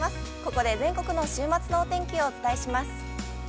ここで全国の週末のお天気をお伝えします。